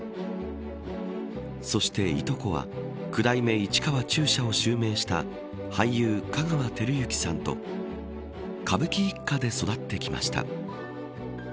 そして、いとこは九代目市川中車を襲名した俳優、香川照之さんと歌舞伎一家で育ってきました。